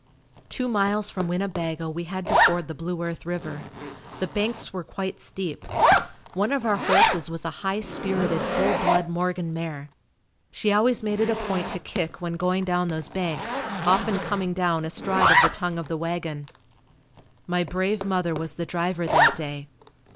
Two miles from Winnebago we had to ford the Blue Earth River. The banks were quite steep. One of our horses was a high spirited full blood Morgan mare. She always made it a point to kick when going down those banks, often coming down astride of the tongue of the wagon. My brave mother was the driver that day.